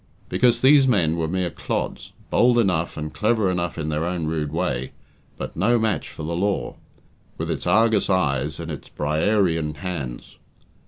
Because these men were mere clods, bold enough and clever enough in their own rude way, but no match for the law, with its Argus eyes and its Briarean hands.